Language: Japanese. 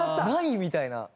何？みたいな。